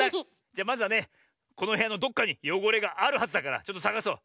じゃまずはねこのへやのどこかによごれがあるはずだからちょっとさがそう。